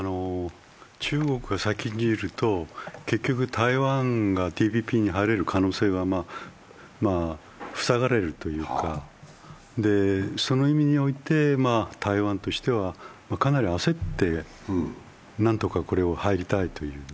中国が先にいると、結局、台湾がＴＰＰに入れる可能性は塞がれるというかその意味において、台湾としては、かなり焦って何とかこれに入りたいと。